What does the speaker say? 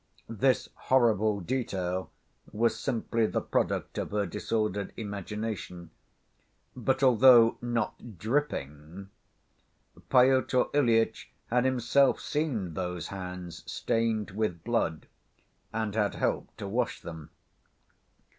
This horrible detail was simply the product of her disordered imagination. But although not "dripping," Pyotr Ilyitch had himself seen those hands stained with blood, and had helped to wash them.